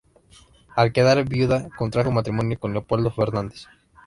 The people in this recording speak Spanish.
Al quedar viuda contrajo matrimonio con Leopoldo Fernández.